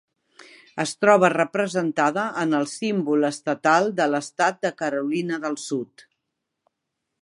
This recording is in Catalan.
Es troba representada en el símbol estatal de l'estat de Carolina del Sud.